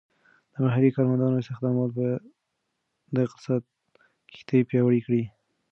د محلی کارمندانو استخدامول به د اقتصاد کښتۍ پیاوړې کړي.